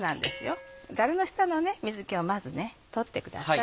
ザルの下の水気をまず取ってください。